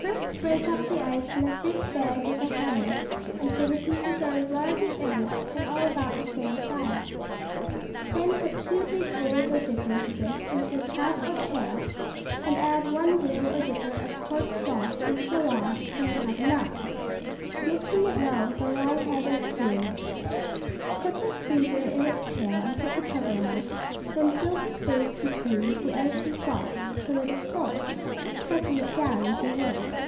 First break up the ice in a thick bag with a hammer until the pieces are as large as eggs, and all about the same size. Then put two big bowls or dippers of this into a tub or pail, and add one bowl or dipper of coarse salt, and so on, till you have enough, mixing it well with a long handled spoon. Put the freezer in its pail and put the cover on; then fill the space between with the ice and salt till it is full, pressing it down as you work.